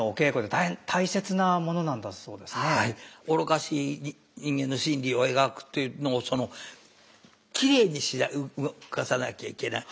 愚かしい人間の心理を描くっていうのをきれいにして動かさなきゃいけない。